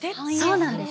そうなんです。